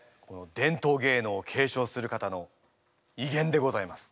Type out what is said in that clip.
伝統芸能を継承する方のいげんでございます。